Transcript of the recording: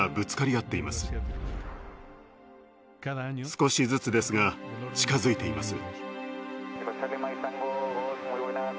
少しずつですが近づいています。